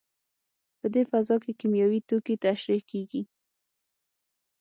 په دې فضا کې کیمیاوي توکي ترشح کېږي.